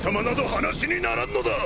話にならんのだ！